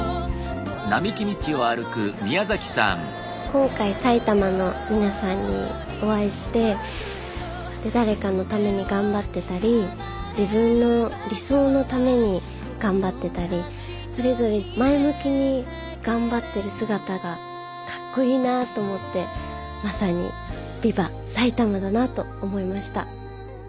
今回埼玉の皆さんにお会いして誰かのために頑張ってたり自分の理想のために頑張ってたりそれぞれ前向きに頑張ってる姿がかっこいいなと思ってまさに「ビバ！埼玉」だなと思いました。